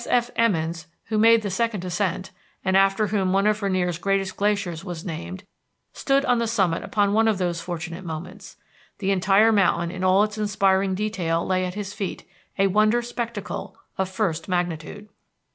S.F. Emmons, who made the second ascent, and after whom one of Rainier's greatest glaciers was named, stood on the summit upon one of those fortunate moments. The entire mountain in all its inspiring detail lay at his feet, a wonder spectacle of first magnitude.